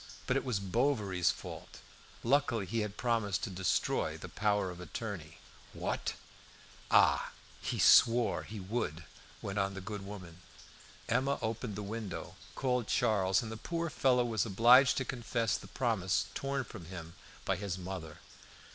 But it was Bovary's fault. Luckily he had promised to destroy that power of attorney. "What?" "Ah! he swore he would," went on the good woman. Emma opened the window, called Charles, and the poor fellow was obliged to confess the promise torn from him by his mother.